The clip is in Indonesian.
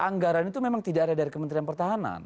anggaran itu memang tidak ada dari kementerian pertahanan